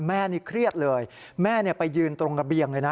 แม่นี่เครียดเลยแม่ไปยืนตรงระเบียงเลยนะ